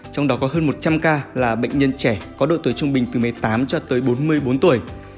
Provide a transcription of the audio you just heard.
trong đó có hơn một trăm linh ca là bệnh nhân trẻ có độ tuổi trung bình từ một mươi tám cho tới bốn mươi bốn tuổi